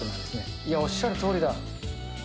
いや、おっしゃるとおりだ。